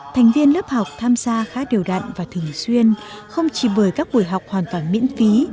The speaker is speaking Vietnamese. thành viên lớp học tham gia khá điều đặn và thường xuyên không chỉ bởi các buổi học hoàn toàn miễn phí